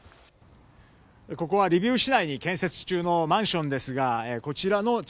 ここはリビウ市内に建設中のマンションですがこちらの